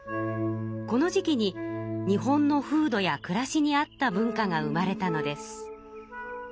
この時期に日本の風土やくらしに合った文化が生まれたのです。